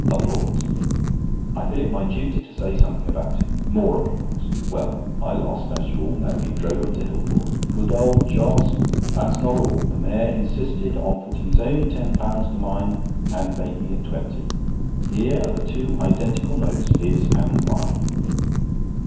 I feel it my duty to say something about it. (More applause.) Well, I lost, as you all know. He drove 'em to Hillport. ('Good old Jos!') That's not all. The Mayor insisted on putting his own ten pounds to mine and making it twenty. Here are the two identical notes, his and mine.'